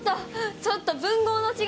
ちょっと、文豪の地が。